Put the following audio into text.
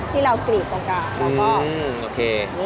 ที่เรากรีดประกาศเราก็โอเค